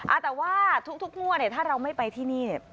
อ่าแต่ว่าทุกมั่วเนี่ยถ้าเราไม่ไปที่นี่เนี่ย